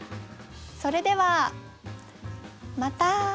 それではまた！